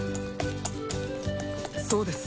そうです。